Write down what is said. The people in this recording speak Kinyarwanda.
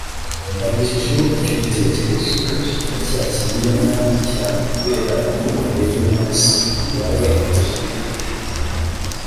Mbagejejeho icyo gitekerezo bacyakiriye nabi cyane kubera imyumvire yo hasi bari bafite kuri uyu mwuga